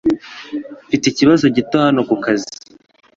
Mfite ikibazo gito hano kukazi.